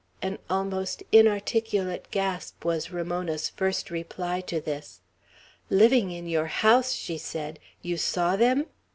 An almost inarticulate gasp was Ramona's first reply to this. "Living in your house!" she said. "You saw them?"